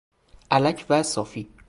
الک و صافی